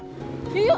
yuk yuk yuk